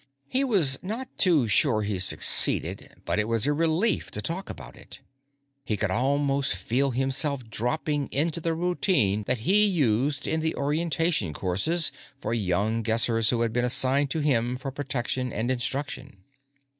He was not too sure he succeeded, but it was a relief to talk about it. He could almost feel himself dropping into the routine that he used in the orientation courses for young Guessers who had been assigned to him for protection and instruction.